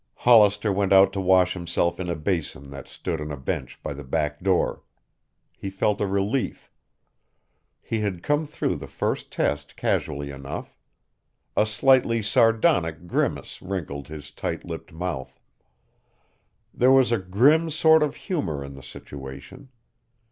Hollister went out to wash himself in a basin that stood on a bench by the back door. He felt a relief. He had come through the first test casually enough. A slightly sardonic grimace wrinkled his tight lipped mouth. There was a grim sort of humor in the situation.